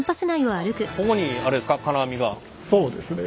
ここにあれですか？